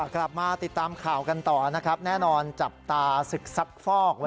กลับมาติดตามข่าวกันต่อแน่นอนจับตาศึกษัตริย์ฟอก